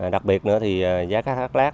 đặc biệt nữa thì giá cá thác lát